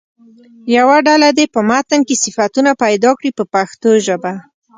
یوه ډله دې په متن کې صفتونه پیدا کړي په پښتو ژبه.